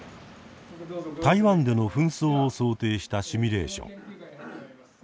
台湾での紛争を想定したシミュレーション。